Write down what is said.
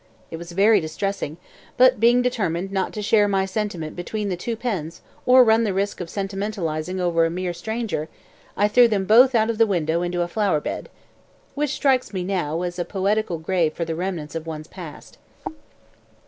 It was very distressing, but being determined not to share my sentiment between two pens or run the risk of sentimentalising over a mere stranger, I threw them both out of the window into a flower bed which strikes me now as a poetical grave for the remnants of ones past.